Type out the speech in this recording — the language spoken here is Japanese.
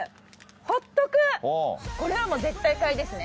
これはもう絶対買いですね。